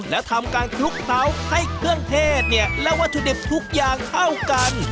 และทำการคลุกเคล้าให้เครื่องเทศและวัตถุดิบทุกอย่างเข้ากัน